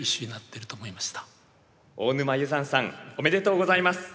おめでとうございます。